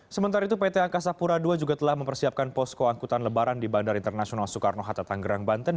sementara itu pt angkasa pura ii juga telah mempersiapkan posko angkutan lebaran di bandara internasional soekarno hatta tanggerang banten